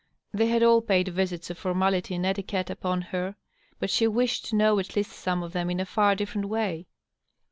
They had all paid visits of formality and etiquette upon her, but she wished to know at least some of them in a far different way.